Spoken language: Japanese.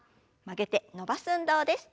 曲げて伸ばす運動です。